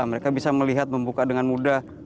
mereka bisa melihat membuka dengan mudah